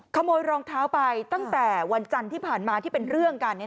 ขโมยรองเท้าไปตั้งแต่วันจันทร์ที่ผ่านมาที่เป็นเรื่องกัน